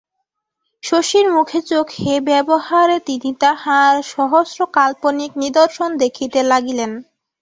শশীর মুখে চোখে ব্যবহারে তিনি তাহার সহস্র কাল্পনিক নিদর্শন দেখিতে লাগিলেন।